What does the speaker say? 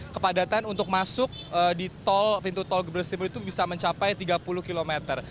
kepadatan untuk masuk di tol pintu tol gebes timur itu bisa mencapai tiga puluh kilometer